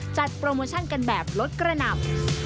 จัดโปรโมชั่นกันแบบรถกระหนับ